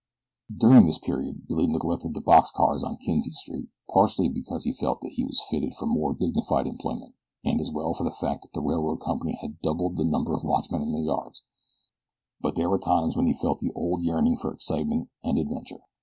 During this period Billy neglected the box cars on Kinzie Street, partially because he felt that he was fitted for more dignified employment, and as well for the fact that the railroad company had doubled the number of watchmen in the yards; but there were times when he felt the old yearning for excitement and adventure.